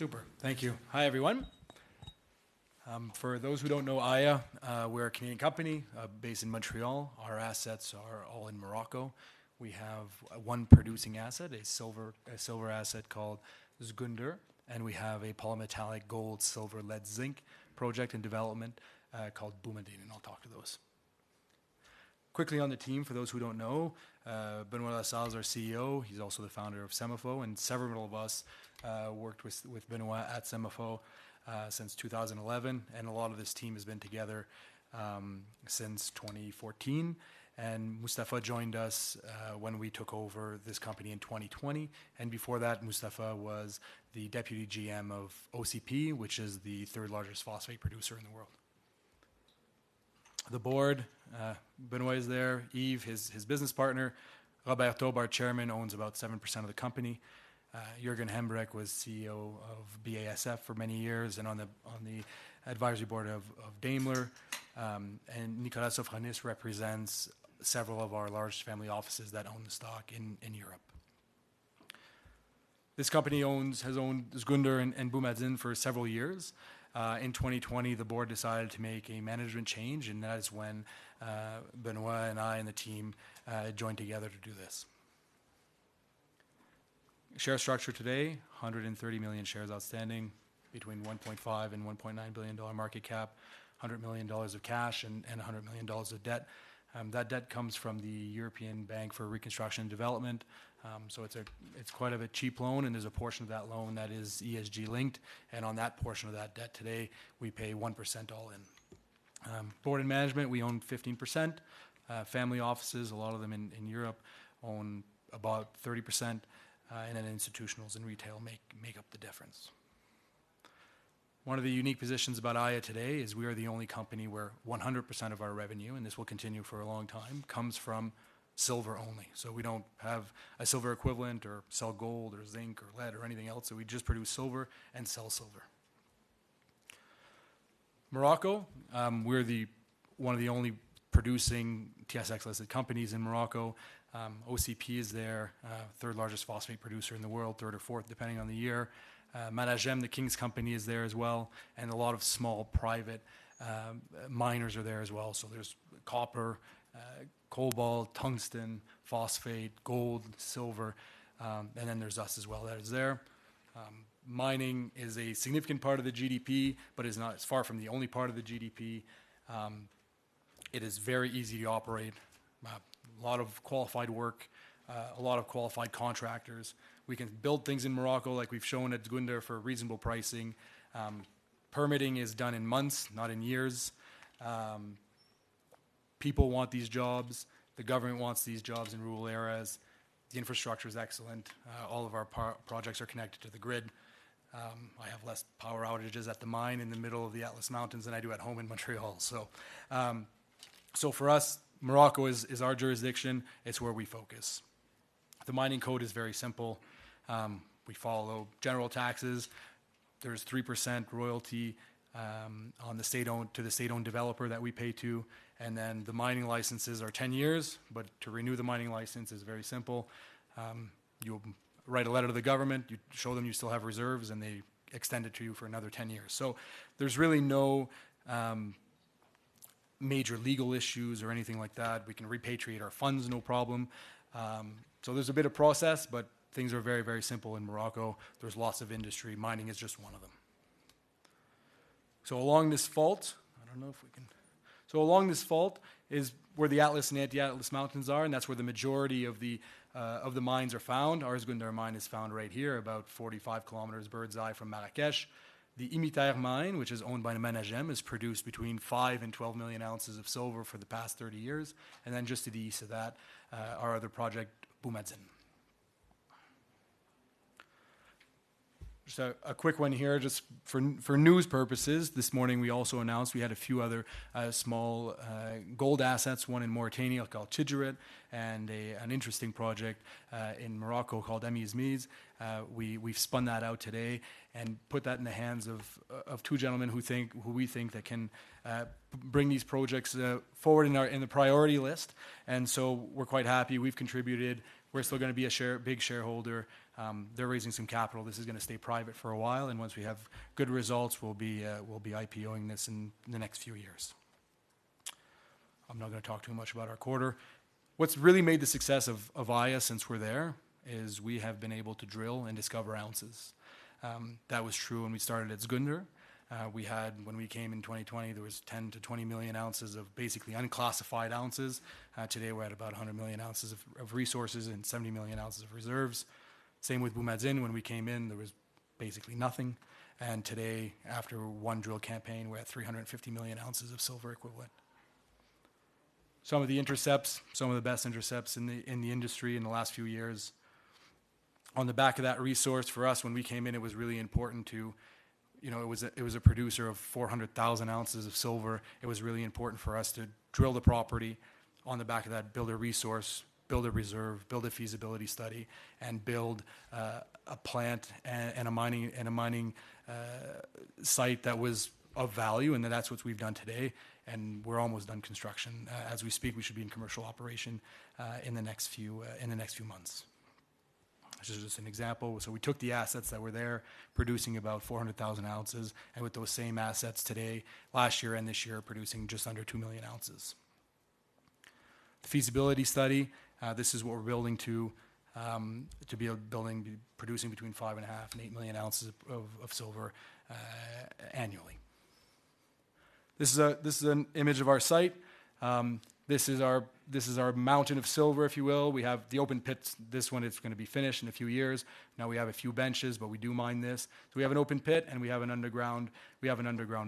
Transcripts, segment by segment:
Super. Thank you. Hi, everyone. For those who don't know Aya, we're a Canadian company based in Montreal. Our assets are all in Morocco. We have one producing asset, a silver asset called Zgounder, and we have a polymetallic gold, silver, lead, zinc project in development called Boumadine, and I'll talk to those. Quickly on the team, for those who don't know, Benoit La Salle is our CEO. He's also the founder of SEMAFO, and several of us worked with Benoit at SEMAFO since 2011, and a lot of this team has been together since 2014, and Mustapha joined us when we took over this company in 2020, and before that, Mustapha was the Deputy GM of OCP, which is the third largest phosphate producer in the world. The board, Benoit is there, Yves, his business partner, Robert, our chairman, owns about 7% of the company. Jürgen Hambrecht was CEO of BASF for many years and on the advisory board of Daimler, and Nikolaos Sofronis represents several of our large family offices that own the stock in Europe. This company has owned Zgounder and Boumadine for several years. In 2020, the board decided to make a management change, and that is when Benoit and I and the team joined together to do this. Share structure today, 130 million shares outstanding, between $1.5 billion and $1.9 billion market cap, $100 million of cash and $100 million of debt. That debt comes from the European Bank for Reconstruction and Development. So it's quite a bit cheap loan, and there's a portion of that loan that is ESG-linked, and on that portion of that debt today, we pay 1% all in. Board and management, we own 15%. Family offices, a lot of them in Europe, own about 30%, and then institutionals and retail make up the difference. One of the unique positions about Aya today is we are the only company where 100% of our revenue, and this will continue for a long time, comes from silver only. So we don't have a silver equivalent or sell gold or zinc or lead or anything else. So we just produce silver and sell silver. Morocco, we're one of the only producing TSX-listed companies in Morocco. OCP is there, third largest phosphate producer in the world, third or fourth, depending on the year. Managem, the King's company, is there as well, and a lot of small, private, miners are there as well. So there's copper, cobalt, tungsten, phosphate, gold, silver, and then there's us as well that is there. Mining is a significant part of the GDP, but is not, it's far from the only part of the GDP. It is very easy to operate, a lot of qualified work, a lot of qualified contractors. We can build things in Morocco, like we've shown at Zgounder, for reasonable pricing. Permitting is done in months, not in years. People want these jobs. The government wants these jobs in rural areas. The infrastructure is excellent. All of our projects are connected to the grid. I have less power outages at the mine in the middle of the Atlas Mountains than I do at home in Montreal. So for us, Morocco is our jurisdiction. It's where we focus. The mining code is very simple. We follow general taxes. There's a 3% royalty on the state-owned developer that we pay to, and then the mining licenses are 10 years, but to renew the mining license is very simple. You'll write a letter to the government, you show them you still have reserves, and they extend it to you for another 10 years. So there's really no major legal issues or anything like that. We can repatriate our funds, no problem. So there's a bit of process, but things are very, very simple in Morocco. There's lots of industry. Mining is just one of them. Along this fault is where the Atlas and Anti-Atlas Mountains are, and that's where the majority of the of the mines are found. Our Zgounder mine is found right here, about 45 km bird's-eye from Marrakech. The Imiter mine, which is owned by Managem, has produced between 5 million ounces and 12 million ounces of silver for the past 30 years, and then just to the east of that, our other project, Boumadine. Just a quick one here, just for news purposes. This morning, we also announced we had a few other small gold assets, one in Mauritania called Tijirit, and an interesting project in Morocco called Amizmiz. We've spun that out today and put that in the hands of two gentlemen who we think that can bring these projects forward in our priority list, and so we're quite happy. We've contributed. We're still gonna be a shareholder, big shareholder. They're raising some capital. This is gonna stay private for a while, and once we have good results, we'll be IPO-ing this in the next few years. I'm not gonna talk too much about our quarter. What's really made the success of Aya since we're there is we have been able to drill and discover ounces. That was true when we started at Zgounder. When we came in twenty twenty, there was 10 million ounces-20 million ounces of basically unclassified ounces. Today, we're at about a hundred million ounces of resources and seventy million ounces of reserves. Same with Boumadine. When we came in, there was basically nothing, and today, after one drill campaign, we're at three hundred and fifty million ounces of silver equivalent. Some of the best intercepts in the industry in the last few years. On the back of that resource, for us, when we came in, it was really important to, you know, it was a producer of four hundred thousand ounces of silver. It was really important for us to drill the property on the back of that, build a resource, build a reserve, build a feasibility study, and build a plant and a mining. Site that was of value, and then that's what we've done today, and we're almost done construction. As we speak, we should be in commercial operation in the next few months. This is just an example. So we took the assets that were there, producing about 400,000 ounces, and with those same assets today, last year and this year, producing just under 2 million ounces. The feasibility study, this is what we're building to, to be producing between 5.5 million ounces and 8 million ounces of silver annually. This is an image of our site. This is our mountain of silver, if you will. We have the open pits. This one is gonna be finished in a few years. Now, we have a few benches, but we do mine this. So we have an open pit, and we have an underground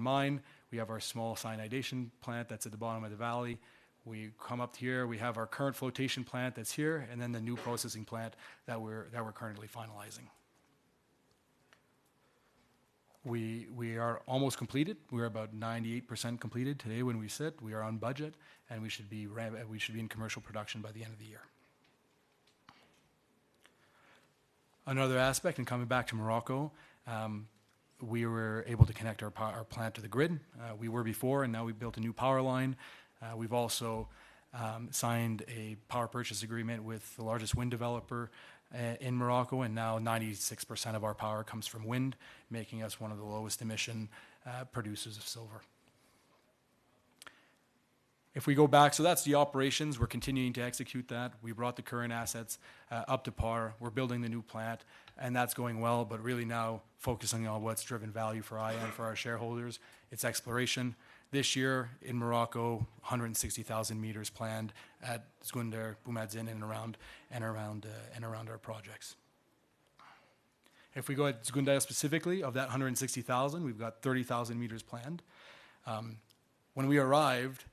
mine. We have our small cyanidation plant that's at the bottom of the valley. We come up here, we have our current flotation plant that's here, and then the new processing plant that we're currently finalising. We are almost completed. We're about 98% completed today when we sit. We are on budget, and we should be in commercial production by the end of the year. Another aspect, and coming back to Morocco, we were able to connect our plant to the grid. We were before, and now we've built a new power line. We've also signed a power purchase agreement with the largest wind developer in Morocco, and now 96% of our power comes from wind, making us one of the lowest emission producers of silver. If we go back. That's the operations. We're continuing to execute that. We brought the current assets up to par. We're building the new plant, and that's going well, but really now focusing on what's driven value for Aya and for our shareholders, it's exploration. This year in Morocco, 160,000 meters planned at Zgounder, Boumadine, and around our projects. If we go at Zgounder specifically, of that 160,000, we've got 30,000 meters planned. When we arrived,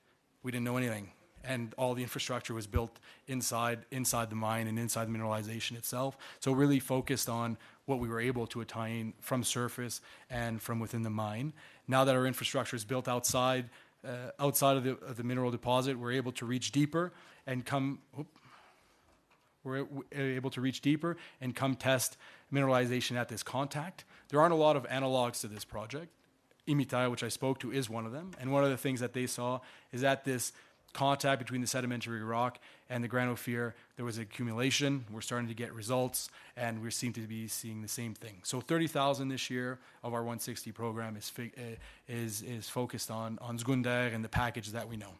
we didn't know anything, and all the infrastructure was built inside the mine and inside the mineralization itself. So we really focused on what we were able to attain from surface and from within the mine. Now that our infrastructure is built outside of the mineral deposit, we're able to reach deeper and come test mineralization at this contact. There aren't a lot of analogues to this project. Imiter, which I spoke to, is one of them, and one of the things that they saw is that this contact between the sedimentary rock and the granophyre, there was accumulation. We're starting to get results, and we seem to be seeing the same thing. So 30,000 this year of our 160 program is focused on Zgounder and the package that we know.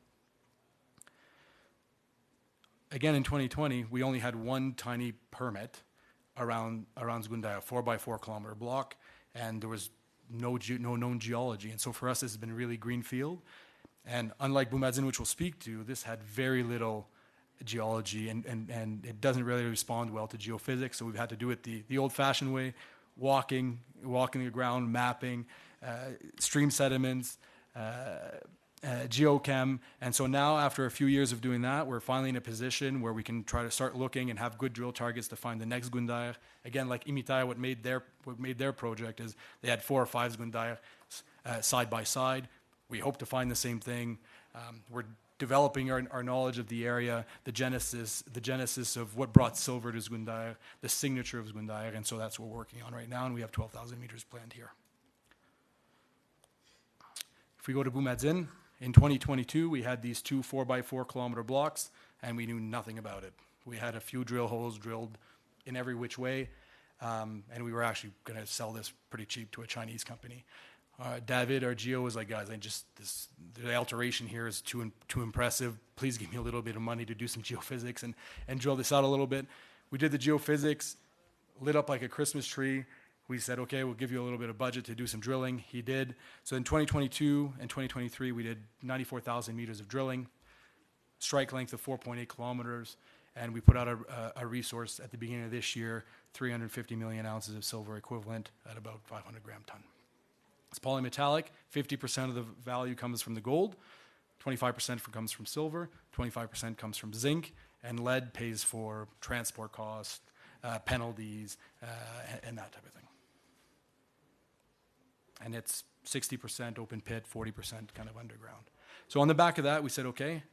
Again, in 2020, we only had one tiny permit around Zgounder, a four-by-four-kilometer block, and there was no known geology, and so for us, this has been really greenfield. Unlike Boumadine, which we'll speak to, this had very little geology, and it doesn't really respond well to geophysics, so we've had to do it the old-fashioned way: walking the ground, mapping, stream sediments, geochem. And so now, after a few years of doing that, we're finally in a position where we can try to start looking and have good drill targets to find the next Zgounder. Again, like Imiter, what made their project is they had four or five Zgounder side by side. We hope to find the same thing. We're developing our knowledge of the area, the genesis of what brought silver to Zgounder, the signature of Zgounder, and so that's what we're working on right now, and we have 12,000 meters planned here. If we go to Boumadine, in 2022, we had these two 4-by-4-kilometer blocks, and we knew nothing about it. We had a few drill holes drilled in every which way, and we were actually gonna sell this pretty cheap to a Chinese company. David, our geo, was like: "Guys, I just, this. The alteration here is too impressive. Please give me a little bit of money to do some geophysics and drill this out a little bit." We did the geophysics, lit up like a Christmas tree. We said: "Okay, we'll give you a little bit of budget to do some drilling." He did. In 2022 and 2023, we did 94,000 meters of drilling, strike length of 4.8 km, and we put out a resource at the beginning of this year, 350 million ounces of silver equivalent at about 500 gram tonne. It's polymetallic. 50% of the value comes from the gold, 25% comes from silver, 25% comes from zinc, and lead pays for transport costs, penalties, and that type of thing. It's 60% open pit, 40% kind of underground. On the back of that, we said, "Okay,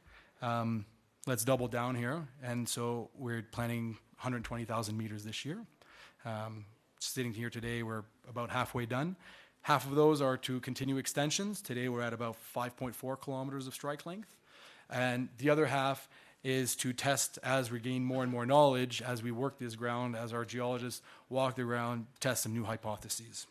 let's double down here," and so we're planning 120,000 meters this year. Sitting here today, we're about halfway done. Half of those are to continue extensions. Today, we're at about five point four kilometers of strike length, and the other half is to test as we gain more and more knowledge, as we work this ground, as our geologists walk the ground, test some new hypotheses.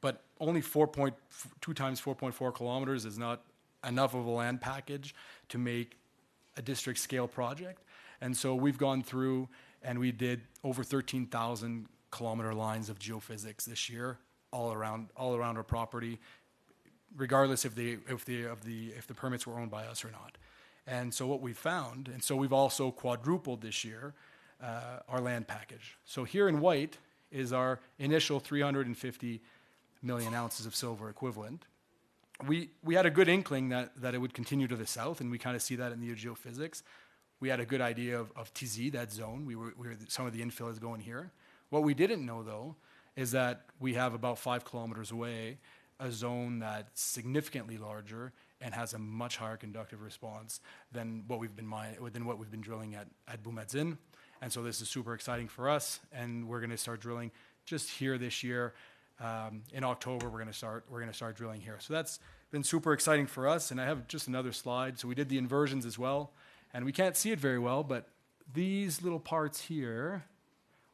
But only four point two times four point four kilometers is not enough of a land package to make a district-scale project, and so we've gone through, and we did over 13,000 km lines of geophysics this year, all around our property, regardless if the permits were owned by us or not. And so what we've found. And so we've also quadrupled this year our land package. So here in white is our initial 350 million ounces of silver equivalent. We had a good inkling that it would continue to the south, and we kinda see that in the geophysics. We had a good idea of Tizi, that zone. Some of the infill is going here. What we didn't know, though, is that we have about five kilometers away, a zone that's significantly larger and has a much higher conductive response than what we've been drilling at Boumadine. And so this is super exciting for us, and we're gonna start drilling just here this year. In October, we're gonna start drilling here. So that's been super exciting for us, and I have just another slide, so we did the inversions as well, and we can't see it very well, but these little parts here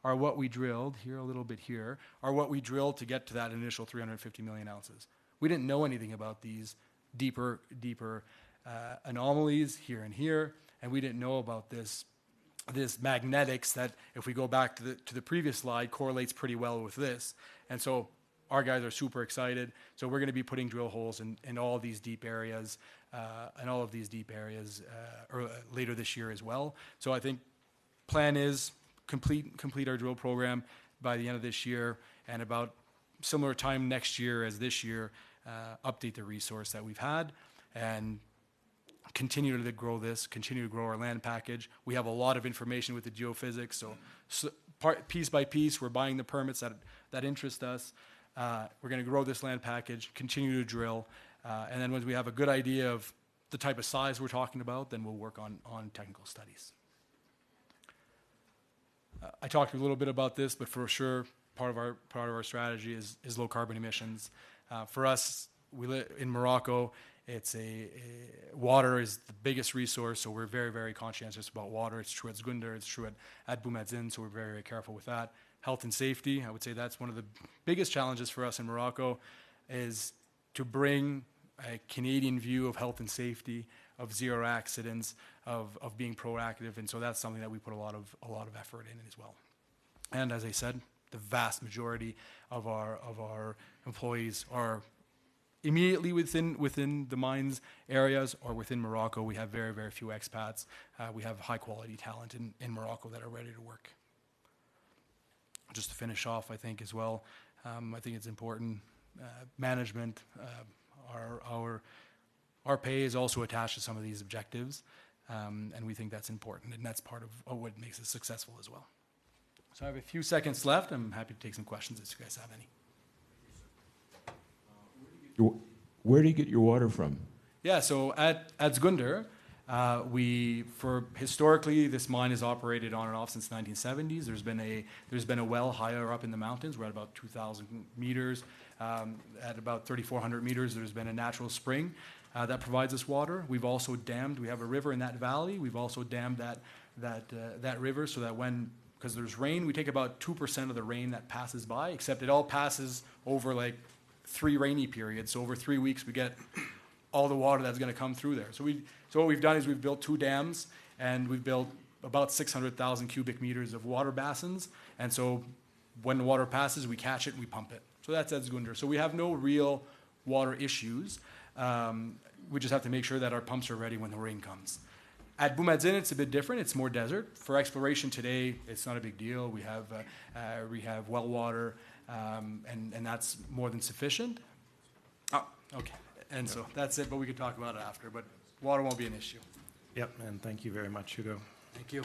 are what we drilled. Here, a little bit here, are what we drilled to get to that initial three hundred and fifty million ounces. We didn't know anything about these deeper anomalies here and here, and we didn't know about this magnetics that, if we go back to the previous slide, correlates pretty well with this. And so our guys are super excited. So we're gonna be putting drill holes in all these deep areas later this year as well. So I think plan is complete our drill program by the end of this year, and about similar time next year as this year update the resource that we've had and continue to grow this, continue to grow our land package. We have a lot of information with the geophysics. Piece by piece, we're buying the permits that interest us. We're gonna grow this land package, continue to drill, and then once we have a good idea of the type of size we're talking about, then we'll work on technical studies. I talked a little bit about this, but for sure, part of our strategy is low carbon emissions. For us, in Morocco, it's a water is the biggest resource, so we're very, very conscientious about water. It's true at Zgounder, it's true at Boumadine, so we're very careful with that. Health and safety, I would say that's one of the biggest challenges for us in Morocco, is to bring a Canadian view of health and safety, of zero accidents, of being proactive, and so that's something that we put a lot of effort in as well. And as I said, the vast majority of our employees are immediately within the mines areas or within Morocco. We have very, very few expats. We have high-quality talent in Morocco that are ready to work. Just to finish off, I think as well, I think it's important, management, our pay is also attached to some of these objectives, and we think that's important, and that's part of what makes us successful as well. So I have a few seconds left. I'm happy to take some questions if you guys have any. Where do you get your water from? Yeah. So at Zgounder, historically, this mine has operated on and off since the 1970s. There's been a well higher up in the mountains. We're at about 2000 meters. At about 3400 meters, there's been a natural spring that provides us water. We've also dammed. We have a river in that valley. We've also dammed that river so that when 'Cause there's rain, we take about 2% of the rain that passes by, except it all passes over, like, three rainy periods. So over three weeks, we get all the water that's gonna come through there. So what we've done is we've built two dams, and we've built about 600,000 cubic meters of water basins. And so when the water passes, we catch it, and we pump it. So that's at Zgounder. So we have no real water issues. We just have to make sure that our pumps are ready when the rain comes. At Boumadine, it's a bit different. It's more desert. For exploration today, it's not a big deal. We have well water, and that's more than sufficient. Oh, okay. And so that's it, but we can talk about it after. But water won't be an issue. Yep, and thank you very much, Ugo. Thank you.